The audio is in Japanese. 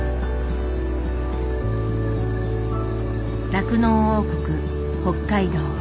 酪農王国北海道。